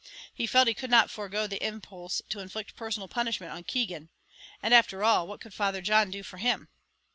He felt he could not forego the impulse to inflict personal punishment on Keegan. And after all, what could Father John do for him?